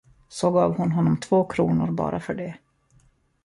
Så gav hon honom två kronor bara för det.